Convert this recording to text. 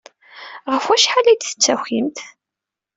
Ɣef wacḥal ay d-tettakimt?